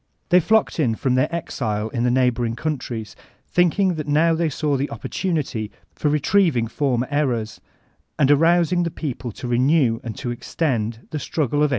They flodced in from their exile in the neighboring countries, thinking that now they saw the opportunity for retrieving former errors, and arousing the people to renew and to extend the struggle of 1848.